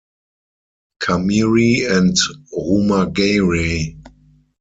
Camiri and Rumagayray.